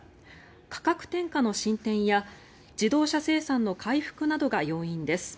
価格転嫁の進展や自動車生産の回復などが要因です。